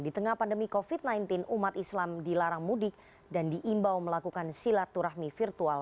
di tengah pandemi covid sembilan belas umat islam dilarang mudik dan diimbau melakukan silaturahmi virtual